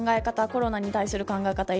コロナに対する考え方